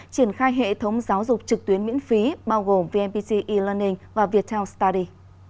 triển khai hệ thống giáo dục trực tuyến miễn phí bao gồm vnpt e learning và viettel study